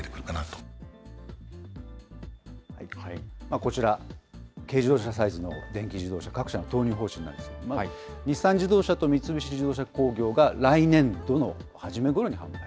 こちら、軽自動車サイズの電気自動車、各社の投入方針なんですけれども、日産自動車と三菱自動車工業が来年度の初めごろに販売。